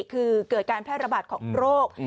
คือเกิดการแพร่ระบาดของโรค